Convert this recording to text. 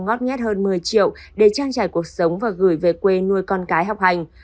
ngót nghét hơn một mươi triệu để trang trải cuộc sống và gửi về quê nuôi con cái học hành